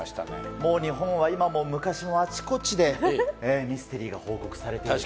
もう日本は今も昔もあちこちでミステリーが報告されている。